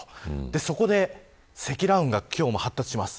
そこで積乱雲が今日も発達します。